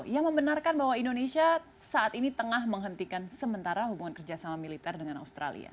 yang membenarkan bahwa indonesia saat ini tengah menghentikan sementara hubungan kerjasama militer dengan australia